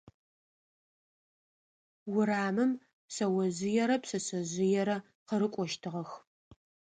Урамым шъэожъыерэ пшъэшъэжъыерэ къырыкӏощтыгъэх.